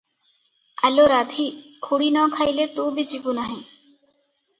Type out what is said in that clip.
ଆଲୋ ରାଧି, ଖୁଡ଼ି ନ ଖାଇଲେ ତୁ ବି ଯିବୁ ନାହିଁ ।"